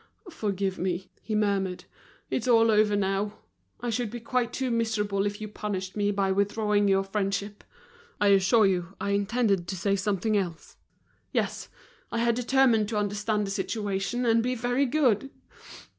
"Forgive me," he murmured. "It's all over now; I should be quite too miserable if you punished me by withdrawing your friendship. I assure you I intended to say something else. Yes, I had determined to understand the situation and be very good."